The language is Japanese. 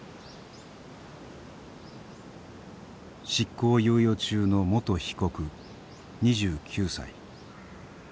執行猶予中の元被告２９歳。